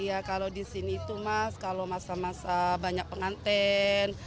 iya kalau di sini itu mas kalau masa masa banyak penganten